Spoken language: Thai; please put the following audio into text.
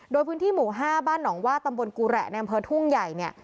โดยพื้นที่หมู่๕บ้านหนองวาดตำบุญกูแหละอาพธุ่งใหญ่